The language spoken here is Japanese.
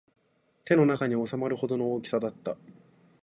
手の中に収まるほどの大きさだった